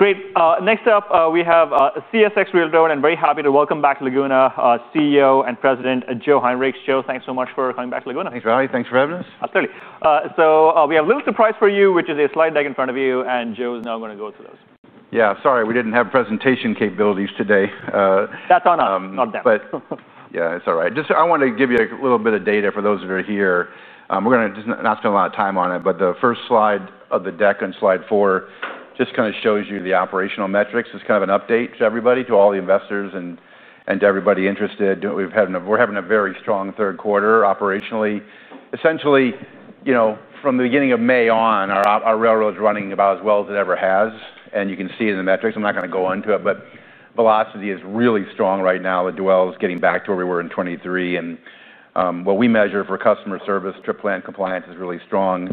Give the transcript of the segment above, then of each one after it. Great. Next up, we have a CSX real drone. I'm very happy to welcome back to Laguna CEO and President Joe Hinrichs. Joe, thanks so much for coming back to Laguna. Thanks, Ravi. Thanks for having us. Absolutely. We have a little surprise for you, which is a slide deck in front of you. Joe is now going to go through those. Yeah, sorry. We didn't have presentation capabilities today. That's on us, not them. Yeah, it's all right. I wanted to give you a little bit of data for those that are here. We're going to just not spend a lot of time on it. The first slide of the deck, on slide four, just kind of shows you the operational metrics. It's kind of an update for everybody, to all the investors and to everybody interested. We're having a very strong third quarter operationally. Essentially, from the beginning of May on, our railroad is running about as well as it ever has, and you can see it in the metrics. I'm not going to go into it, but velocity is really strong right now. The dwell is getting back to where we were in 2023, and what we measure for customer service, trip plan compliance, is really strong.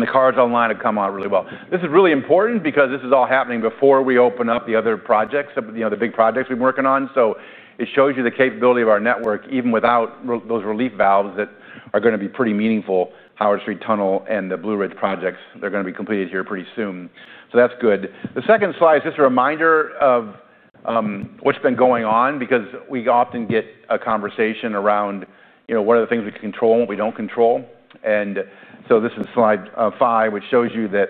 The cars online have come out really well. This is really important because this is all happening before we open up the other projects, the big projects we've been working on. It shows you the capability of our network, even without those relief valves that are going to be pretty meaningful. Howard Street Tunnel and the Blue Ridge projects, they're going to be completed here pretty soon. That's good. The second slide is just a reminder of what's been going on because we often get a conversation around what are the things we can control and what we don't control. This is slide five, which shows you that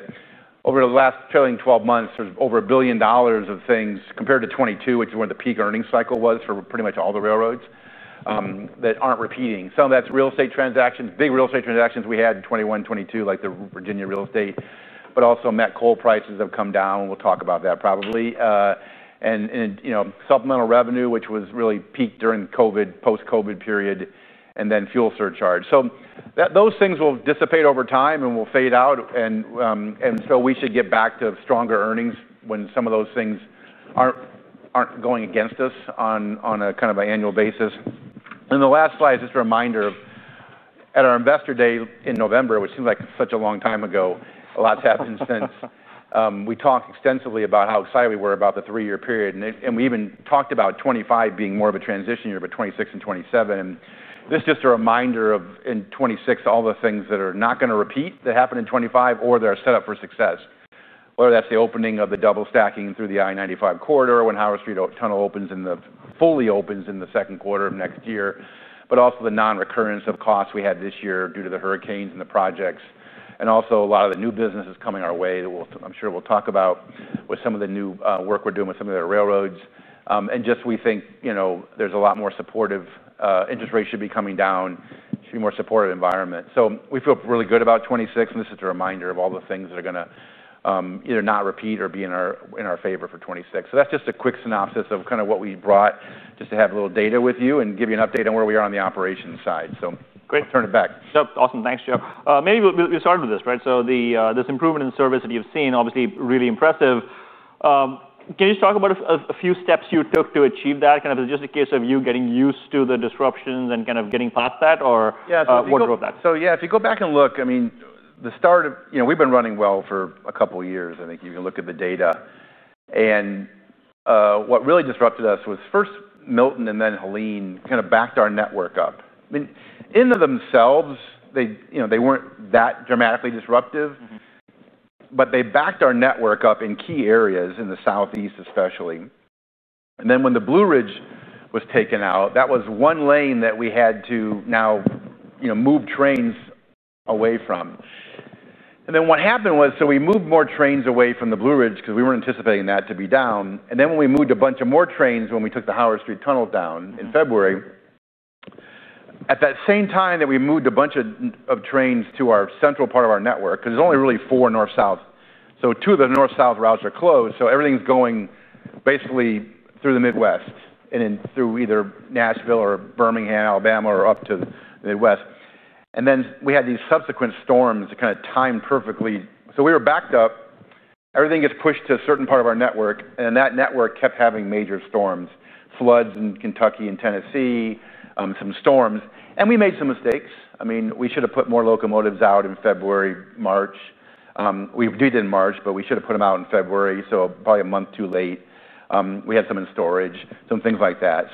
over the last trailing 12 months, there's over $1 billion of things compared to 2022, which is when the peak earnings cycle was for pretty much all the railroads that aren't repeating. Some of that's real estate transactions, big real estate transactions we had in 2021, 2022, like the Virginia real estate. Also, met coal prices have come down. We'll talk about that probably. Supplemental revenue, which was really peaked during the post-COVID period, and then fuel surcharge. Those things will dissipate over time and will fade out. We should get back to stronger earnings when some of those things aren't going against us on a kind of an annual basis. The last slide is just a reminder of at our investor day in November, which seemed like such a long time ago, a lot's happened since. We talked extensively about how excited we were about the three-year period, and we even talked about 2025 being more of a transition year of 2026 and 2027. This is just a reminder of in 2026, all the things that are not going to repeat that happened in 2025 or that are set up for success. Whether that's the opening of the double stacking through the I-95 corridor when Howard Street Tunnel opens and fully opens in the second quarter of next year, but also the non-recurrence of costs we had this year due to the hurricanes and the projects. Also, a lot of the new businesses coming our way that I'm sure we'll talk about with some of the new work we're doing with some of the railroads. We think there's a lot more supportive interest rates should be coming down, should be a more supportive environment. We feel really good about 2026. This is a reminder of all the things that are going to either not repeat or be in our favor for 2026. That's just a quick synopsis of kind of what we brought just to have a little data with you and give you an update on where we are on the operations side. Great to turn it back. Awesome. Thanks, Joe. Maybe we'll start with this, right? This improvement in service that you've seen is obviously really impressive. Can you just talk about a few steps you took to achieve that? Is it just a case of you getting used to the disruptions and getting past that? What drove that? If you go back and look, I mean, the start of we've been running well for a couple of years, I think you can look at the data. What really disrupted us was first Milton and then Helene kind of backed our network up. In and of themselves, they weren't that dramatically disruptive, but they backed our network up in key areas in the Southeast especially. When the Blue Ridge was taken out, that was one lane that we had to now move trains away from. What happened was, we moved more trains away from the Blue Ridge because we weren't anticipating that to be down. When we moved a bunch more trains when we took the Howard Street Tunnel down in February, at that same time we moved a bunch of trains to our central part of our network because there's only really four north-south. Two of the north-south routes are closed, so everything's going basically through the Midwest and then through either Nashville or Birmingham, Alabama, or up to the Midwest. We had these subsequent storms that kind of timed perfectly, so we were backed up. Everything gets pushed to a certain part of our network, and then that network kept having major storms, floods in Kentucky and Tennessee, some storms. We made some mistakes. I mean, we should have put more locomotives out in February, March. We did in March, but we should have put them out in February, so probably a month too late. We had some in storage, some things like that.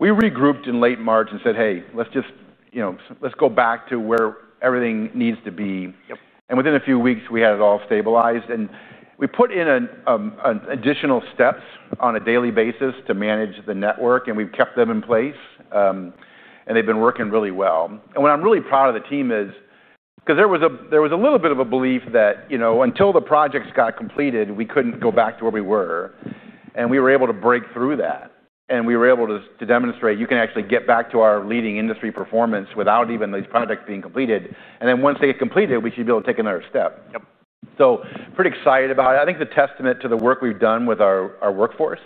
We regrouped in late March and said, hey, let's just go back to where everything needs to be. Within a few weeks, we had it all stabilized. We put in additional steps on a daily basis to manage the network, and we've kept them in place. They've been working really well. What I'm really proud of the team is because there was a little bit of a belief that until the projects got completed, we couldn't go back to where we were. We were able to break through that, and we were able to demonstrate you can actually get back to our leading industry performance without even these projects being completed. Once they get completed, we should be able to take another step. Pretty excited about it. I think it's a testament to the work we've done with our workforce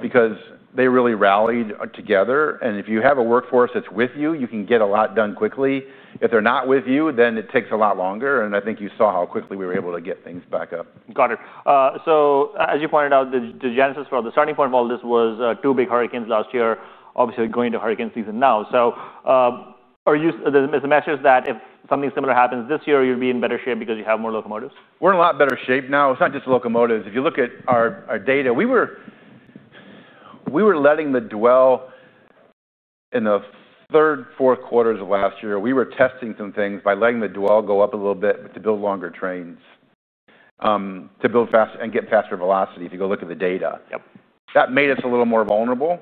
because they really rallied together. If you have a workforce that's with you, you can get a lot done quickly. If they're not with you, then it takes a lot longer. I think you saw how quickly we were able to get things back up. Got it. As you pointed out, the genesis for the starting point of all this was two big hurricanes last year. Obviously, going into hurricane season now, is the message that if something similar happens this year, you'd be in better shape because you have more locomotives? We're in a lot better shape now. It's not just the locomotives. If you look at our data, we were letting the dwell in the third, fourth quarters of last year. We were testing some things by letting the dwell go up a little bit to build longer trains, to build faster and get faster velocity, if you go look at the data. That made us a little more vulnerable.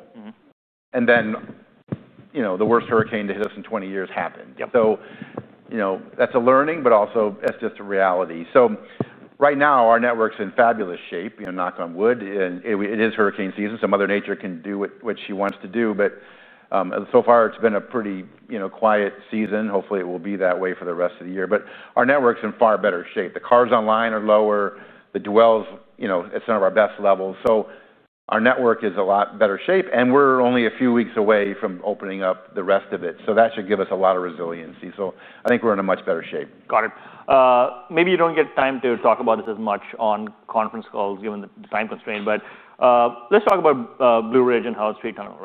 The worst hurricane to hit us in 20 years happened. That's a learning, but also that's just a reality. Right now, our network's in fabulous shape, knock on wood. It is hurricane season. Mother Nature can do what she wants to do. So far, it's been a pretty quiet season. Hopefully, it will be that way for the rest of the year. Our network's in far better shape. The cars online are lower. The dwells, it's not our best level. Our network is a lot better shape. We're only a few weeks away from opening up the rest of it. That should give us a lot of resiliency. I think we're in a much better shape. Got it. Maybe you don't get time to talk about this as much on conference calls given the time constraint. Let's talk about Blue Ridge and Howard Street Tunnel.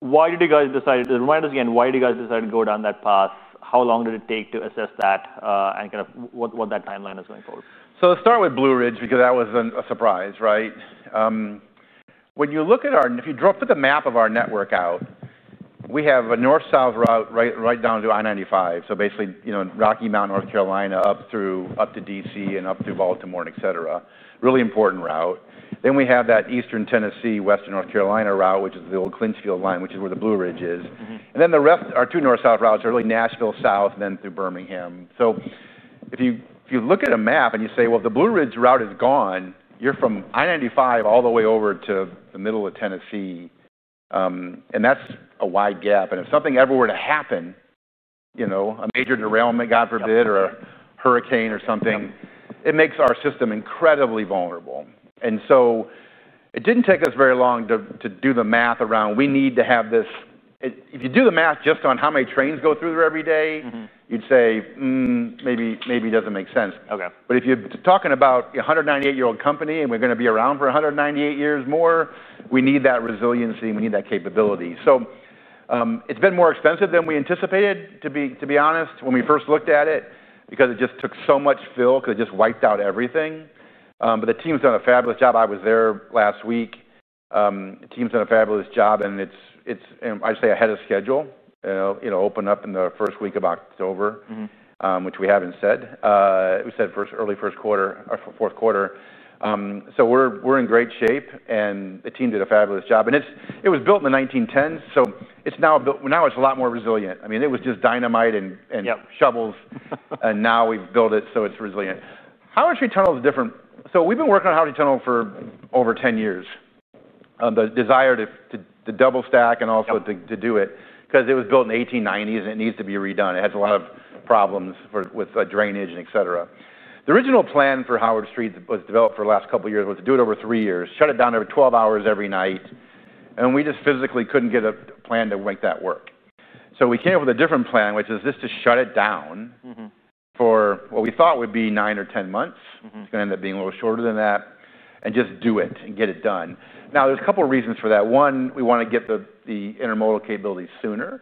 Why did you guys decide—remind us again, why did you guys decide to go down that path? How long did it take to assess that? What that timeline is going forward? Let's start with Blue Ridge because that was a surprise, right? If you drove the map of our network out, we have a north-south route right down to I-95. Basically, Rocky Mount, North Carolina, up to D.C. and up through Baltimore, et cetera. Really important route. Then we have that Eastern Tennessee, Western North Carolina route, which is the old Clintonfield line, which is where the Blue Ridge is. The rest of our two north-south routes are really Nashville South and then through Birmingham. If you look at a map and you say, the Blue Ridge route is gone, you're from I-95 all the way over to the middle of Tennessee. That's a wide gap. If something ever were to happen, a major derailment, God forbid, or a hurricane or something, it makes our system incredibly vulnerable. It didn't take us very long to do the math around we need to have this. If you do the math just on how many trains go through there every day, you'd say, maybe it doesn't make sense. If you're talking about a 198-year-old company and we're going to be around for 198 years more, we need that resiliency. We need that capability. It's been more expensive than we anticipated, to be honest, when we first looked at it because it just took so much fill because it just wiped out everything. The team's done a fabulous job. I was there last week. The team's done a fabulous job. It's, I'd say, ahead of schedule, opened up in the first week of October, which we haven't said. We said early first quarter, fourth quarter. We're in great shape. The team did a fabulous job. It was built in the 1910s. Now it's a lot more resilient. I mean, it was just dynamite and shovels. Now we've built it so it's resilient. Howard Street Tunnel is different. We've been working on Howard Street Tunnel for over 10 years, the desire to double stack and also to do it because it was built in the 1890s. It needs to be redone. It has a lot of problems with drainage, et cetera. The original plan for Howard Street was developed for the last couple of years, was to do it over three years, shut it down every 12 hours every night. We just physically couldn't get a plan to make that work. We came up with a different plan, which is just to shut it down for what we thought would be nine or 10 months. It's going to end up being a little shorter than that. Just do it and get it done. Now, there's a couple of reasons for that. One, we want to get the intermodal capabilities sooner.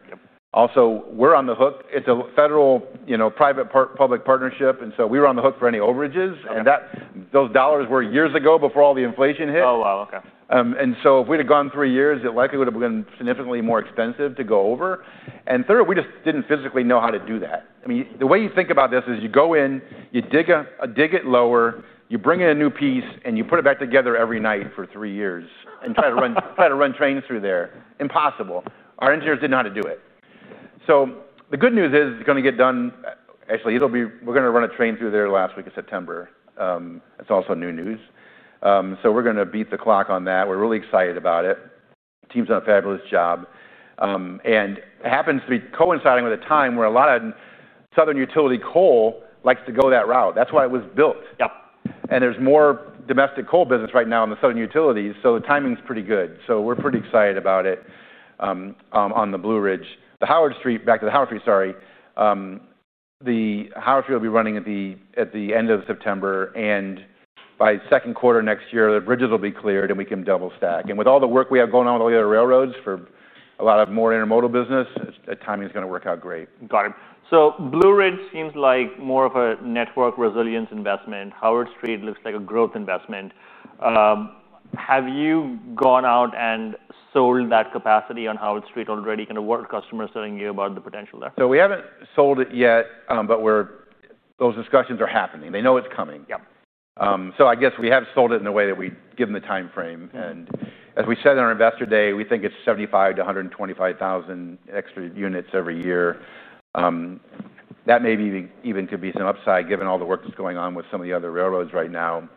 Also, we're on the hook. It's a federal, public-private partnership. We were on the hook for any overages, and those dollars were years ago before all the inflation hit. Oh, wow. OK. If we'd have gone three years, it likely would have been significantly more expensive to go over. Third, we just didn't physically know how to do that. The way you think about this is you go in, you dig it lower, you bring in a new piece, and you put it back together every night for three years and try to run trains through there. Impossible. Our engineers didn't know how to do it. The good news is it's going to get done. Actually, we're going to run a train through there last week of September. That's also new news. We're going to beat the clock on that. We're really excited about it. The team's done a fabulous job. It happens to be coinciding with a time where a lot of Southern Utility coal likes to go that route. That's why it was built. There's more domestic coal business right now in the Southern Utilities. The timing's pretty good. We're pretty excited about it on the Blue Ridge. Back to the Howard Street, sorry. The Howard Street will be running at the end of September. By the second quarter next year, the bridges will be cleared and we can double stack. With all the work we have going on with all the other railroads for a lot more intermodal business, that timing is going to work out great. Got it. Blue Ridge seems like more of a network resilience investment. Howard Street looks like a growth investment. Have you gone out and sold that capacity on Howard Street already? What are customers telling you about the potential there? We haven't sold it yet, but those discussions are happening. They know it's coming. I guess we have sold it in the way that we give them the time frame. As we said on our investor day, we think it's 75,000-125,000 extra units every year. That may even be some upside given all the work that's going on with some of the other railroads right now.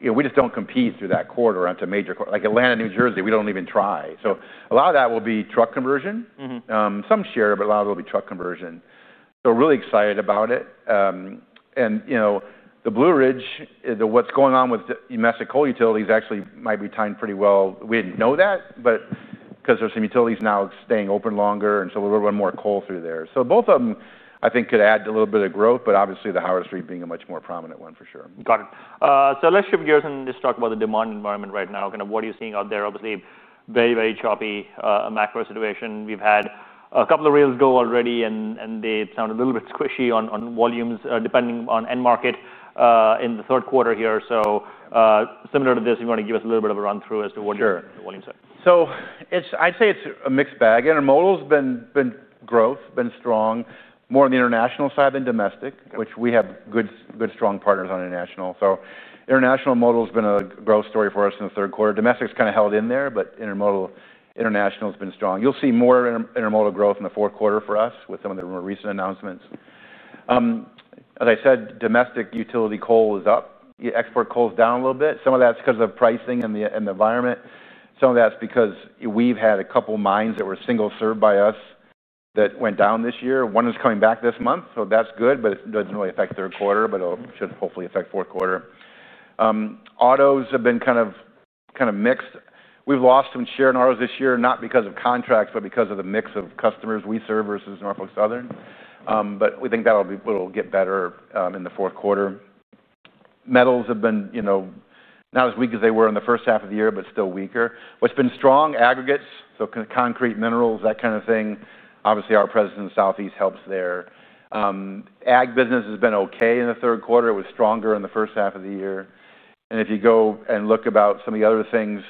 We just don't compete through that corridor onto major corridors like Atlanta, New Jersey. We don't even try. A lot of that will be truck conversion. Some share, but a lot of it will be truck conversion. We're really excited about it. The Blue Ridge, what's going on with domestic coal utilities, actually might be timed pretty well. We didn't know that, but because there's some utilities now staying open longer, we're going to run more coal through there. Both of them, I think, could add a little bit of growth, but obviously the Howard Street being a much more prominent one for sure. Got it. Let's shift gears and just talk about the demand environment right now. Kind of what are you seeing out there? Obviously, very, very choppy macro situation. We've had a couple of reels go already, and they sound a little bit squishy on volumes depending on end market in the third quarter here. Similar to this, if you want to give us a little bit of a run-through as to what your volumes are. I'd say it's a mixed bag. Intermodal's been growth, been strong, more on the international side than domestic, which we have good, strong partners on international. International intermodal has been a growth story for us in the third quarter. Domestic's kind of held in there, but international's been strong. You'll see more intermodal growth in the fourth quarter for us with some of the recent announcements. As I said, domestic utility coal is up. Export coal's down a little bit. Some of that's because of pricing and the environment. Some of that's because we've had a couple of mines that were single-served by us that went down this year. One is coming back this month. That's good, but it doesn't really affect third quarter, but it should hopefully affect fourth quarter. Autos have been kind of mixed. We've lost some share in autos this year, not because of contracts, but because of the mix of customers we serve versus Norfolk Southern. We think that'll get better in the fourth quarter. Metals have been not as weak as they were in the first half of the year, but still weaker. What's been strong? Aggregates, so concrete, minerals, that kind of thing. Obviously, our presence in the Southeast helps there. Ag business has been OK in the third quarter. It was stronger in the first half of the year. If you go and look about some of the other things,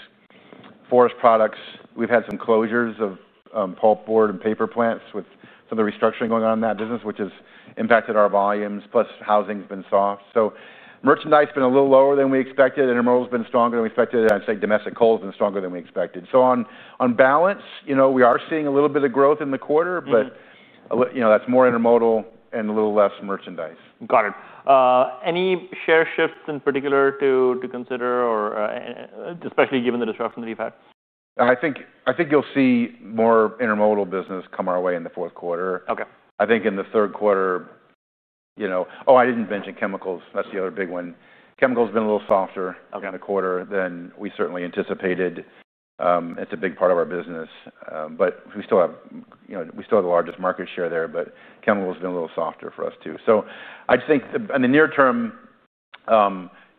forest products, we've had some closures of pulp board and paper plants with some of the restructuring going on in that business, which has impacted our volumes. Plus, housing's been soft. Merchandise has been a little lower than we expected. Intermodal's been stronger than we expected. I'd say domestic coal's been stronger than we expected. On balance, we are seeing a little bit of growth in the quarter, but that's more intermodal and a little less merchandise. Got it. Any share shifts in particular to consider, or especially given the disruption that you've had? I think you'll see more intermodal business come our way in the fourth quarter. I think in the third quarter, I didn't mention chemicals. That's the other big one. Chemicals have been a little softer in the quarter than we certainly anticipated. It's a big part of our business. We still have the largest market share there. Chemicals have been a little softer for us too. I think in the near term,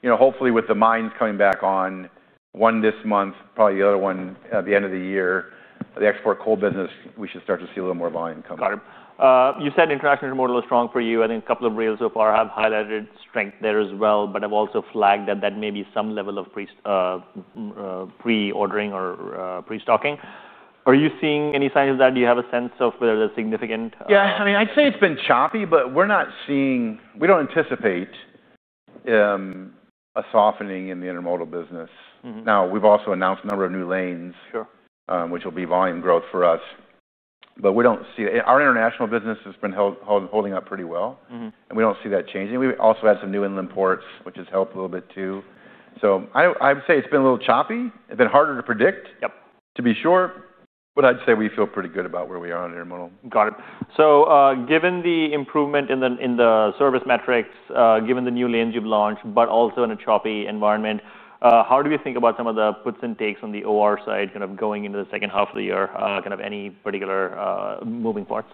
hopefully with the mines coming back on, one this month, probably the other one at the end of the year, the export coal business, we should start to see a little more volume coming. Got it. You said international is more or less strong for you. I think a couple of reels so far have highlighted strength there as well. I've also flagged that that may be some level of pre-ordering or pre-stocking. Are you seeing any signs of that? Do you have a sense of whether there's significant? Yeah, I mean, I'd say it's been choppy, but we're not seeing, we don't anticipate a softening in the intermodal business. We've also announced a number of new lanes, which will be volume growth for us. We don't see, our international business has been holding up pretty well, and we don't see that changing. We also had some new inland ports, which has helped a little bit too. I would say it's been a little choppy. It's been harder to predict to be sure, but I'd say we feel pretty good about where we are on intermodal. Given the improvement in the service metrics, given the new lanes you've launched, but also in a choppy environment, how do you think about some of the puts and takes on the OR side going into the second half of the year? Any particular moving parts?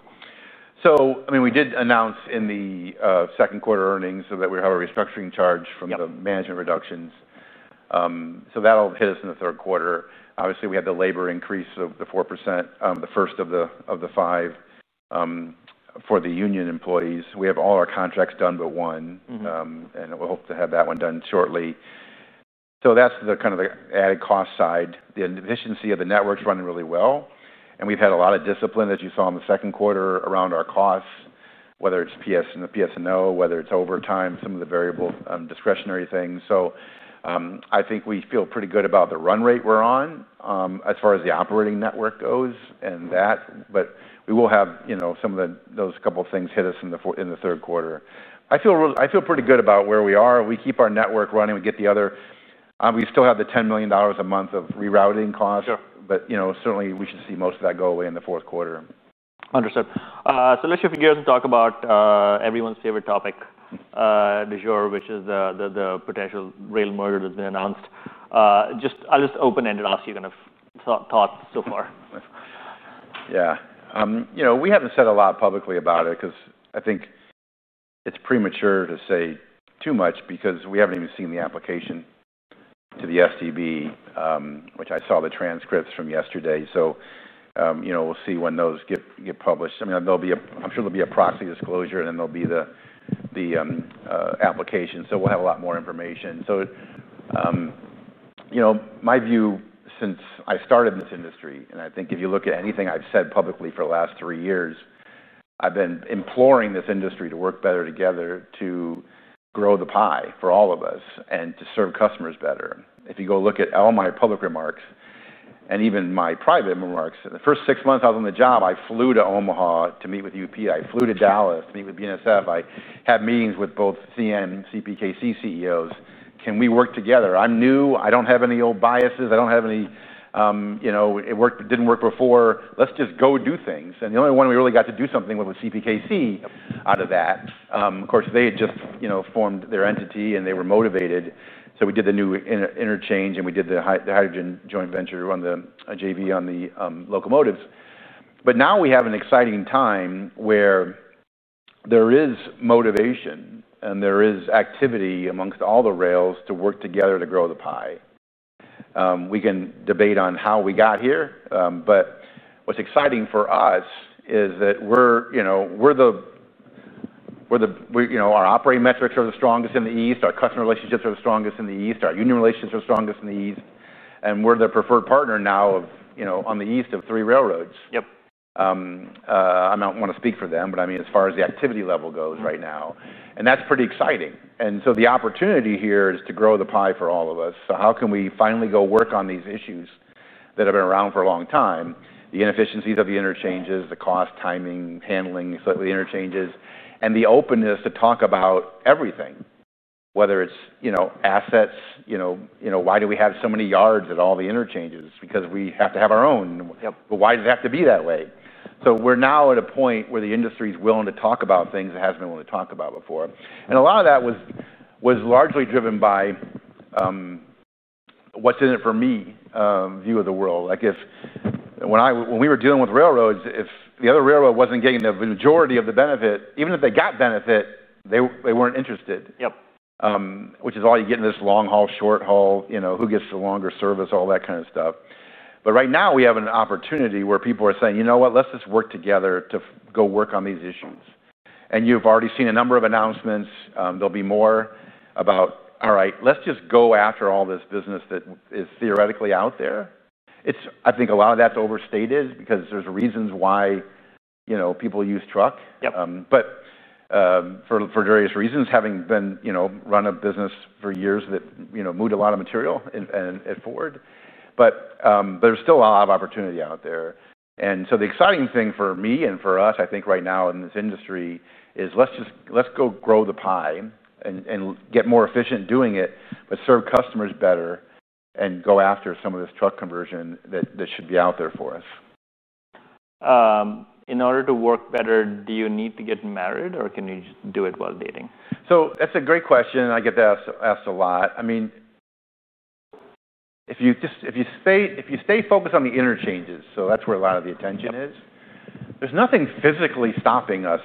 We did announce in the second quarter earnings that we have a restructuring charge from the management reductions. That'll hit us in the third quarter. Obviously, we had the labor increase of 4%, the first of the five, for the union employees. We have all our contracts done but one, and we hope to have that one done shortly. That's the kind of the added cost side. The efficiency of the network's running really well, and we've had a lot of discipline that you saw in the second quarter around our costs, whether it's PS&O, whether it's overtime, some of the variable discretionary things. I think we feel pretty good about the run rate we're on as far as the operating network goes and that. We will have some of those couple of things hit us in the third quarter. I feel pretty good about where we are. We keep our network running. We get the other—we still have the $10 million a month of rerouting costs. Certainly, we should see most of that go away in the fourth quarter. Understood. Let's shift gears and talk about everyone's favorite topic this year, which is the potential rail merger that's been announced. I'll just open-ended ask you kind of thoughts so far. Yeah. We haven't said a lot publicly about it because I think it's premature to say too much because we haven't even seen the application to the STB, which I saw the transcripts from yesterday. We'll see when those get published. I'm sure there'll be a proxy disclosure, and then there'll be the application. We'll have a lot more information. My view since I started in this industry, and I think if you look at anything I've said publicly for the last three years, I've been imploring this industry to work better together to grow the pie for all of us and to serve customers better. If you go look at all my public remarks and even my private remarks, in the first six months I was on the job, I flew to Omaha to meet with Union Pacific. I flew to Dallas to meet with BNSF. I had meetings with both CN and CPKC CEOs. Can we work together? I'm new. I don't have any old biases. I don't have any—it didn't work before. Let's just go do things. The only one we really got to do something with was CPKC out of that. Of course, they had just formed their entity, and they were motivated. We did the new interchange, and we did the hydrogen joint venture on the JV on the locomotives. Now we have an exciting time where there is motivation, and there is activity amongst all the rails to work together to grow the pie. We can debate on how we got here. What's exciting for us is that our operating metrics are the strongest in the east. Our customer relationships are the strongest in the east. Our union relations are the strongest in the east. We're the preferred partner now on the east of three railroads. I don't want to speak for them, but as far as the activity level goes right now, that's pretty exciting. The opportunity here is to grow the pie for all of us. How can we finally go work on these issues that have been around for a long time, the inefficiencies of the interchanges, the cost, timing, handling the interchanges, and the openness to talk about everything, whether it's assets? Why do we have so many yards at all the interchanges? We have to have our own, but why does it have to be that way? We're now at a point where the industry is willing to talk about things it hasn't been willing to talk about before. A lot of that was largely driven by what's in it for me view of the world. Like when we were dealing with railroads, if the other railroad wasn't getting the majority of the benefit, even if they got benefit, they weren't interested, which is why you get into this long haul, short haul, who gets the longer service, all that kind of stuff. Right now, we have an opportunity where people are saying, you know what? Let's just work together to go work on these issues. You've already seen a number of announcements. There'll be more about, all right, let's just go after all this business that is theoretically out there. I think a lot of that's overstated because there's reasons why people use truck. For various reasons, having run a business for years that moved a lot of material forward, there's still a lot of opportunity out there. The exciting thing for me and for us, I think, right now in this industry is let's go grow the pie and get more efficient at doing it, serve customers better, and go after some of this truck conversion that should be out there for us. In order to work better, do you need to get married? Or can you do it while dating? That's a great question. I get that asked a lot. If you stay focused on the interchanges, that's where a lot of the attention is. There's nothing physically stopping us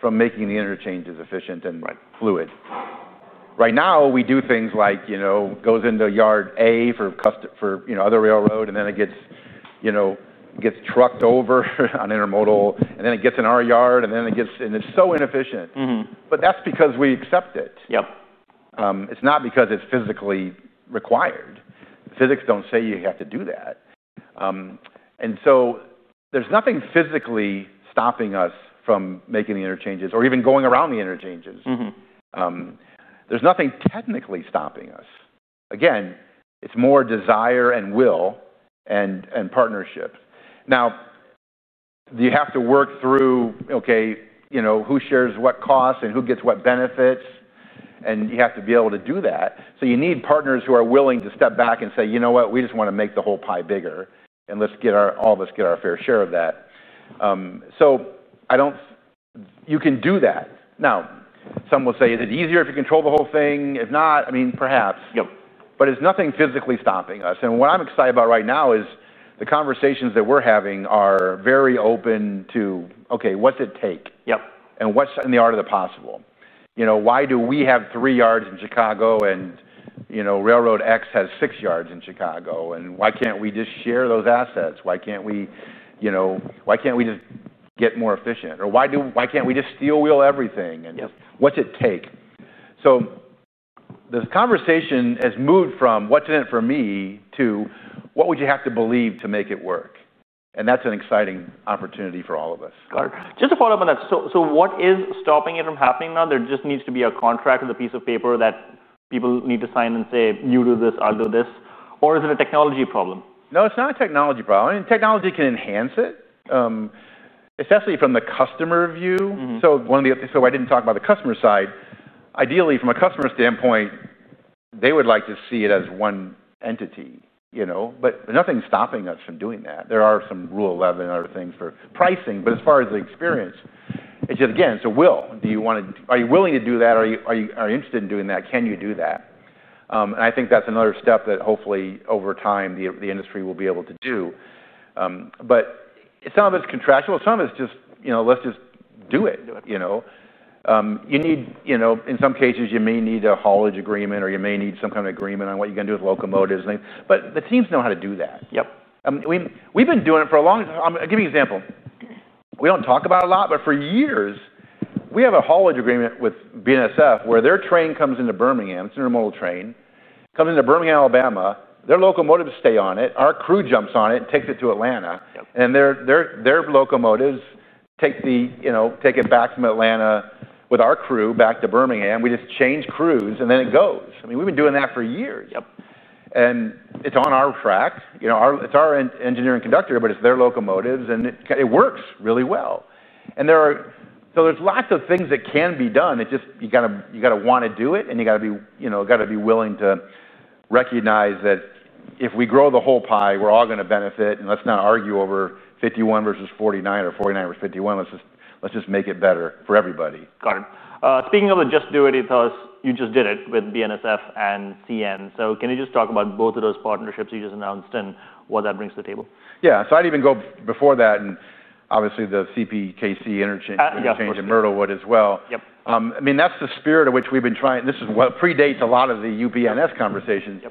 from making the interchanges efficient and fluid. Right now, we do things like goes into yard A for other railroad, then it gets trucked over on intermodal, and then it gets in our yard, and then it's so inefficient. That's because we accept it. It's not because it's physically required. Physics don't say you have to do that. There's nothing physically stopping us from making the interchanges or even going around the interchanges. There's nothing technically stopping us. It's more desire and will and partnerships. You have to work through, OK, who shares what costs and who gets what benefits. You have to be able to do that. You need partners who are willing to step back and say, you know what? We just want to make the whole pie bigger, and let's all of us get our fair share of that. You can do that. Some will say is it easier if you control the whole thing? If not, perhaps. There's nothing physically stopping us. What I'm excited about right now is the conversations that we're having are very open to, OK, what's it take and what's in the art of the possible? Why do we have three yards in Chicago and Railroad X has six yards in Chicago? Why can't we just share those assets? Why can't we just get more efficient? Why can't we just steel wheel everything? What's it take? The conversation has moved from what's in it for me to what would you have to believe to make it work. That's an exciting opportunity for all of us. Just to follow up on that, what is stopping it from happening now? There just needs to be a contract or the piece of paper that people need to sign and say, you do this, I'll do this. Is it a technology problem? No, it's not a technology problem. I mean, technology can enhance it, especially from the customer view. I didn't talk about the customer side. Ideally, from a customer standpoint, they would like to see it as one entity. There's nothing stopping us from doing that. There are some Rule 11 things for pricing. As far as the experience, it's just, again, it's a will. Are you willing to do that? Are you interested in doing that? Can you do that? I think that's another step that hopefully over time the industry will be able to do. Some of it's contractual. Some of it's just, let's just do it. You need, in some cases, you may need a haulage agreement. You may need some kind of agreement on what you can do with locomotives. The teams know how to do that. We've been doing it for a long time. I'll give you an example. We don't talk about it a lot. For years, we have a haulage agreement with BNSF where their train comes into Birmingham. It's an intermodal train. It comes into Birmingham, Alabama. Their locomotives stay on it. Our crew jumps on it and takes it to Atlanta. Their locomotives take it back from Atlanta with our crew back to Birmingham. We just change crews, and then it goes. We've been doing that for years. It's on our tracks. It's our engineering conductor, but it's their locomotives, and it works really well. There are lots of things that can be done. You have to want to do it, and you have to be willing to recognize that if we grow the whole pie, we're all going to benefit. Let's not argue over 51 versus 49 or 49 versus 51. Let's just make it better for everybody. Got it. Speaking of the just do it, you tell us you just did it with BNSF and CN. Can you just talk about both of those partnerships you just announced and what that brings to the table? Yeah. I'd even go before that. Obviously, the CPKC interchange in Myrtlewood as well. That's the spirit of which we've been trying. This predates a lot of the UPNS conversations.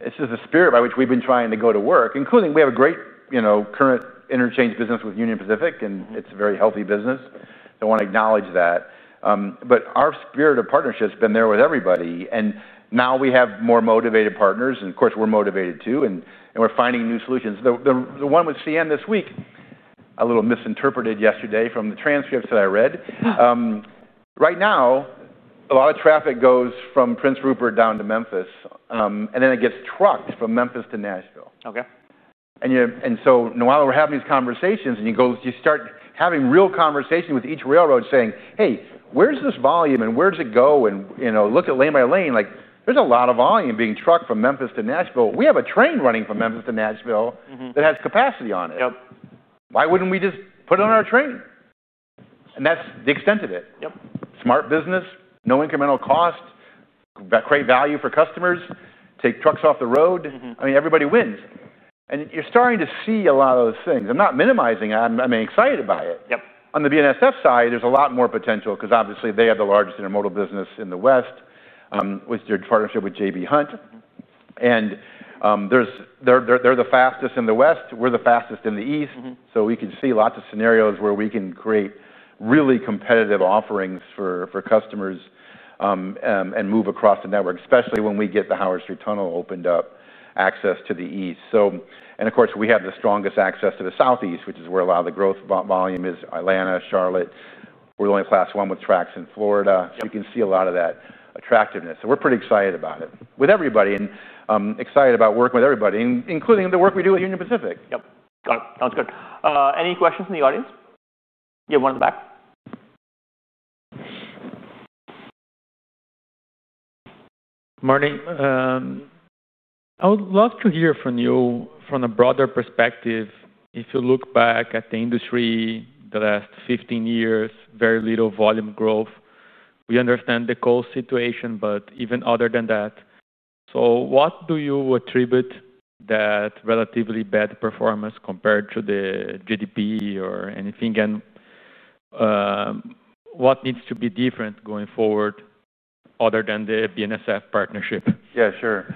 This is the spirit by which we've been trying to go to work, including we have a great current interchange business with Union Pacific. It's a very healthy business. I want to acknowledge that. Our spirit of partnership has been there with everybody. Now we have more motivated partners. Of course, we're motivated too. We're finding new solutions. The one with CN this week, a little misinterpreted yesterday from the transcripts that I read. Right now, a lot of traffic goes from Prince Rupert down to Memphis, and then it gets trucked from Memphis to Nashville. Now we're having these conversations. You start having real conversations with each railroad saying, hey, where's this volume? Where does it go? Look at lane by lane. There's a lot of volume being trucked from Memphis to Nashville. We have a train running from Memphis to Nashville that has capacity on it. Why wouldn't we just put it on our train? That's the extent of it. Smart business, no incremental cost, create value for customers, take trucks off the road. Everybody wins. You're starting to see a lot of those things. I'm not minimizing it. I'm excited about it. On the BNSF side, there's a lot more potential because obviously they have the largest intermodal business in the West with their partnership with J.B. Hunt. They're the fastest in the West. We're the fastest in the East. We can see lots of scenarios where we can create really competitive offerings for customers and move across the network, especially when we get the Howard Street Tunnel opened up access to the East. Of course, we have the strongest access to the Southeast, which is where a lot of the growth volume is, Atlanta, Charlotte. We're the only Class I with tracks in Florida. We can see a lot of that attractiveness. We're pretty excited about it with everybody and excited about working with everybody, including the work we do at Union Pacific. Yep. Sounds good. Any questions from the audience? You have one in the back. Morning. I would love to hear from you from a broader perspective. If you look back at the industry the last 15 years, very little volume growth. We understand the coal situation, but even other than that, what do you attribute that relatively bad performance compared to the GDP or anything? What needs to be different going forward other than the BNSF partnerships? Yeah, sure.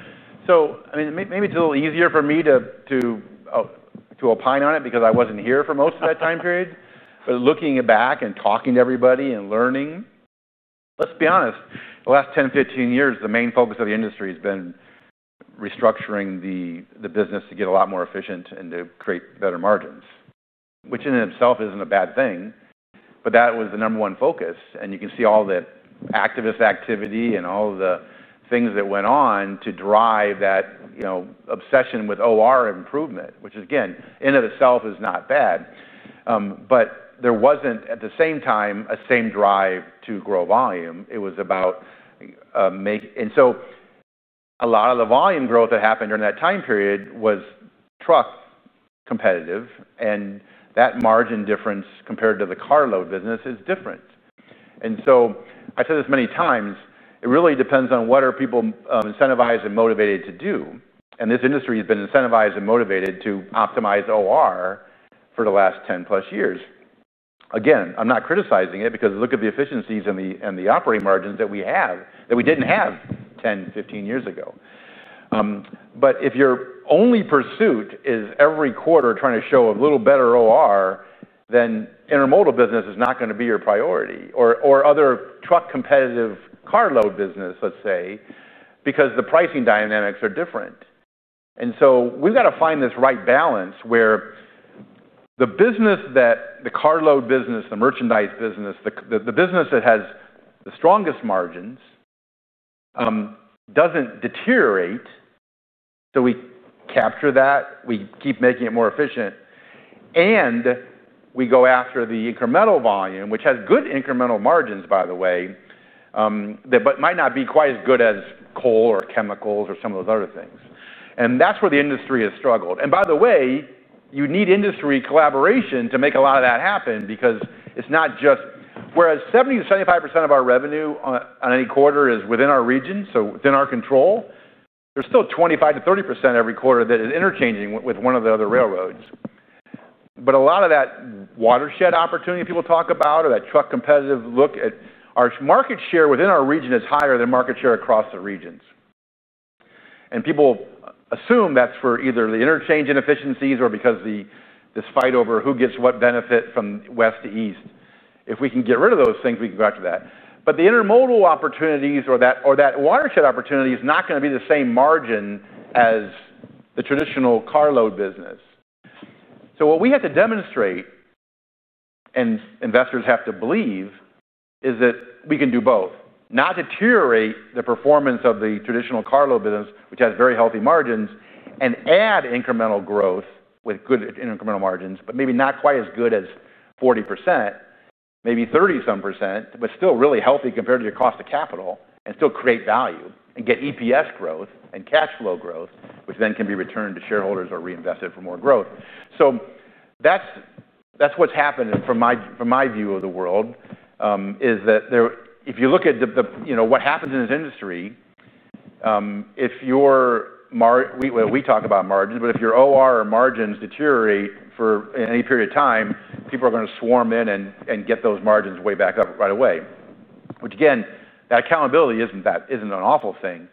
Maybe it's a little easier for me to opine on it because I wasn't here for most of that time period. Looking back and talking to everybody and learning, let's be honest, the last 10, 15 years, the main focus of the industry has been restructuring the business to get a lot more efficient and to create better margins, which in and of itself isn't a bad thing. That was the number one focus. You can see all the activist activity and all the things that went on to drive that obsession with OR improvement, which again, in and of itself is not bad. There wasn't at the same time a same drive to grow volume. It was about making—a lot of the volume growth that happened during that time period was truck competitive. That margin difference compared to the carload business is different. I've said this many times. It really depends on what are people incentivized and motivated to do. This industry has been incentivized and motivated to optimize OR for the last 10-plus years. I'm not criticizing it because look at the efficiencies and the operating margins that we have that we didn't have 10-15 years ago. If your only pursuit is every quarter trying to show a little better OR, then intermodal business is not going to be your priority or other truck competitive carload business, let's say, because the pricing dynamics are different. We've got to find this right balance where the business that the carload business, the merchandise business, the business that has the strongest margins doesn't deteriorate. We capture that. We keep making it more efficient. We go after the incremental volume, which has good incremental margins, by the way, but might not be quite as good as coal or chemicals or some of those other things. That's where the industry has struggled. By the way, you need industry collaboration to make a lot of that happen because it's not just—whereas 70%-75% of our revenue on any quarter is within our region, so within our control, there's still 25%-30% every quarter that is interchanging with one of the other railroads. A lot of that watershed opportunity people talk about or that truck competitive look at our market share within our region is higher than market share across the regions. People assume that's for either the interchange inefficiencies or because of this fight over who gets what benefit from West to East. If we can get rid of those things, we can go after that. The intermodal opportunities or that watershed opportunity is not going to be the same margin as the traditional carload business. What we have to demonstrate and investors have to believe is that we can do both, not deteriorate the performance of the traditional carload business, which has very healthy margins, and add incremental growth with good incremental margins, but maybe not quite as good as 40%, maybe 30-something %, but still really healthy compared to your cost of capital and still create value and get EPS growth and cash flow growth, which then can be returned to shareholders or reinvested for more growth. That is what has happened from my view of the world. If you look at what happens in this industry, we talk about margins. If your OR or margins deteriorate for any period of time, people are going to swarm in and get those margins way back up right away, which again, that accountability isn't an awful thing.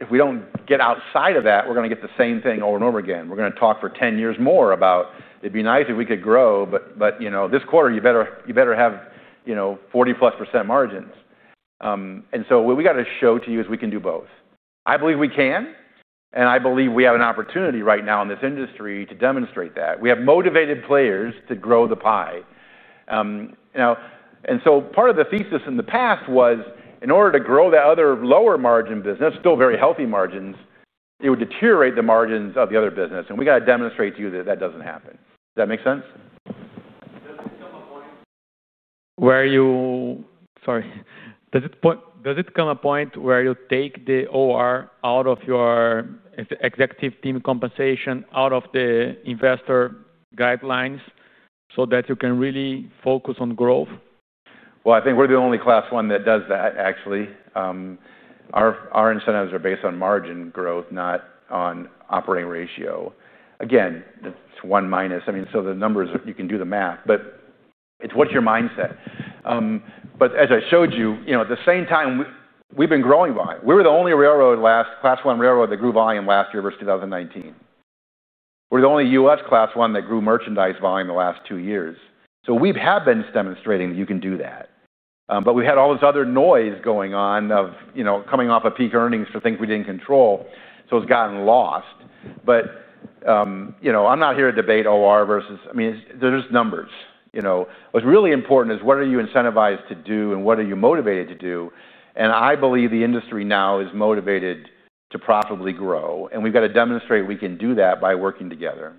If we don't get outside of that, we're going to get the same thing over and over again. We're going to talk for 10 years more about it'd be nice if we could grow, but this quarter, you better have 40+% margins. What we got to show to you is we can do both. I believe we can. I believe we have an opportunity right now in this industry to demonstrate that. We have motivated players to grow the pie. Part of the thesis in the past was in order to grow that other lower margin business, still very healthy margins, it would deteriorate the margins of the other business. We got to demonstrate to you that that doesn't happen. Does that make sense? Does it come a point where you take the operating ratio out of your executive team compensation, out of the investor guidelines so that you can really focus on growth? I think we're the only Class I that does that, actually. Our incentives are based on margin growth, not on operating ratio. Again, it's one minus. I mean, so the numbers, you can do the math. It's what's your mindset. As I showed you, at the same time, we've been growing volume. We were the only railroad, Class I railroad, that grew volume last year versus 2019. We're the only U.S. Class I that grew merchandise volume the last two years. We have been demonstrating you can do that. We've had all this other noise going on of coming off of peak earnings for things we didn't control. It's gotten lost. I'm not here to debate OR versus—they're just numbers. What's really important is what are you incentivized to do and what are you motivated to do. I believe the industry now is motivated to profitably grow. We've got to demonstrate we can do that by working together.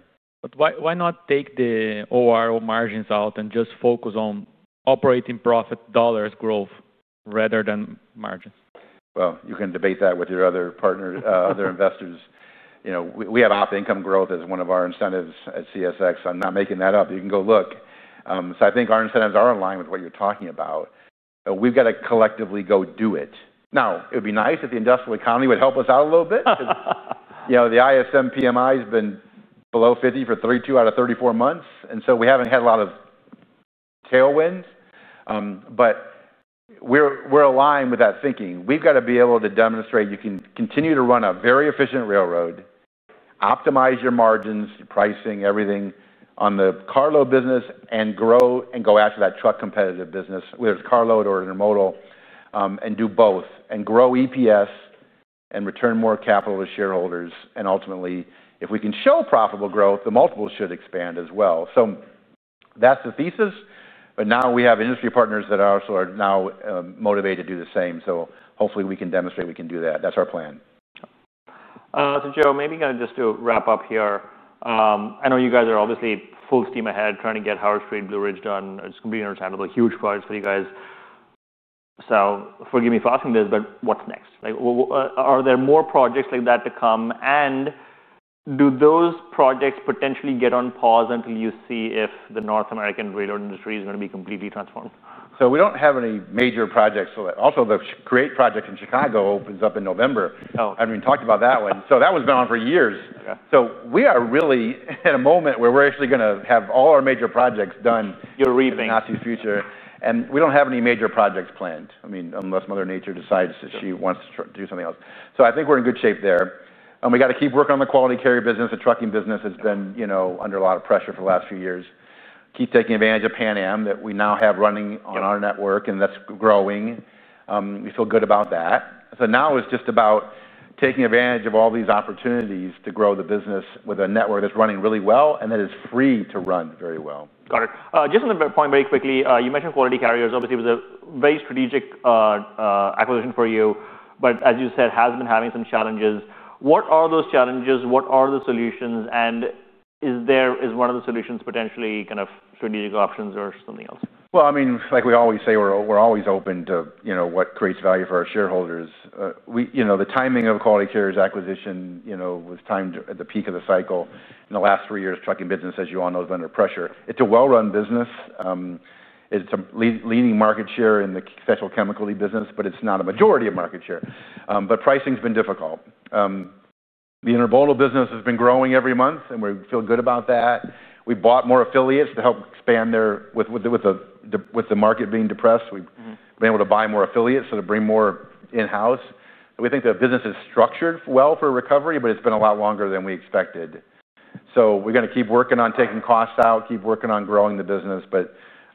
Why not take the operating ratio or margins out and just focus on operating profit dollars growth rather than margins? You can debate that with your other partners, other investors. We have operating income growth as one of our incentives at CSX. I'm not making that up. You can go look. I think our incentives are in line with what you're talking about. We've got to collectively go do it. It would be nice if the industrial economy would help us out a little bit because the ISM PMI has been below 50 for 32/34 months, and we haven't had a lot of tailwinds. We're aligned with that thinking. We've got to be able to demonstrate you can continue to run a very efficient railroad, optimize your margins, pricing, everything on the carload business, and grow and go after that truck competitive business, whether it's carload or intermodal, and do both and grow EPS and return more capital to shareholders. Ultimately, if we can show profitable growth, the multiples should expand as well. That's the thesis. Now we have industry partners that also are now motivated to do the same. Hopefully, we can demonstrate we can do that. That's our plan. Joe, maybe I'll just wrap up here. I know you guys are obviously full steam ahead trying to get Howard Street, Blue Ridge done. It's completely understandable. Huge projects for you guys. Forgive me for asking this, but what's next? Are there more projects like that to come? Do those projects potentially get on pause until you see if the North American railroad industry is going to be completely transformed? We don't have any major projects for that. Also, the CREATE project in Chicago opens up in November. I haven't even talked about that one. That one's been on for years. We are really at a moment where we're actually going to have all our major projects done. You're reading. In the not-too-distant future, we don't have any major projects planned, unless Mother Nature decides that she wants to do something else. I think we're in good shape there. We got to keep working on the Quality Carriers business. The trucking business has been under a lot of pressure for the last few years. Keep taking advantage of Pan Am that we now have running on our network, and that's growing. We feel good about that. It's just about taking advantage of all these opportunities to grow the business with a network that's running really well and that is free to run very well. Got it. Just to point very quickly, you mentioned Quality Carriers. Obviously, it was a very strategic acquisition for you. As you said, it has been having some challenges. What are those challenges? What are the solutions? Is one of the solutions potentially kind of strategic options or something else? I mean, like we always say, we're always open to what creates value for our shareholders. The timing of the Quality Carriers acquisition was timed at the peak of the cycle. In the last three years, the trucking business has you on those vendor pressure. It's a well-run business. It's a leading market share in the special chemical business, but it's not a majority of market share. Pricing's been difficult. The intermodal business has been growing every month, and we feel good about that. We bought more affiliates to help expand there. With the market being depressed, we've been able to buy more affiliates to bring more in-house. We think the business is structured well for recovery, but it's been a lot longer than we expected. We're going to keep working on taking costs out, keep working on growing the business.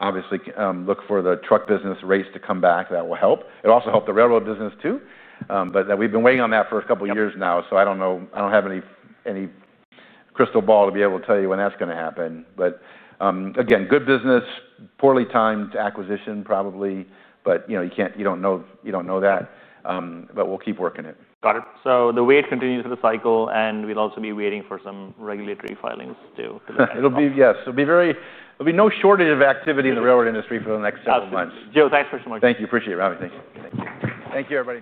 Obviously, look for the truck business rates to come back. That will help. It will also help the railroad business too. We've been waiting on that for a couple of years now. I don't have any crystal ball to be able to tell you when that's going to happen. Again, good business, poorly timed acquisition probably. You don't know that, but we'll keep working it. Got it. The wait continues for the cycle, and we'll also be waiting for some regulatory filings too. Yes, there'll be no shortage of activity in the railroad industry for the next couple of months. Awesome. Joe, thanks so much. Thank you. Appreciate it, Ravi. Thanks. Thank you. Thank you, everybody.